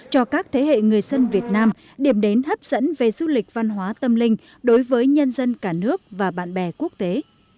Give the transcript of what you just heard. cho các thế hệ người dân việt nam điểm đến hấp dẫn về du lịch văn hóa tâm linh đối với nhân dân cả nước và bạn bè quốc tế